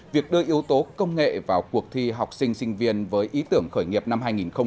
việc đưa yếu tố công nghệ vào cuộc thi học sinh sinh viên với ý tưởng khởi nghiệp năm hai nghìn hai mươi